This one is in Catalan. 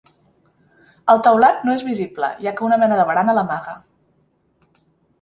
El teulat no és visible, ja que una mena de barana l'amaga.